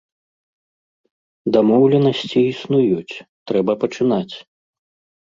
Дамоўленасці існуюць, трэба пачынаць.